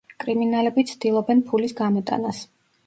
კრიმინალები ცდილობენ ფულის გამოტანას.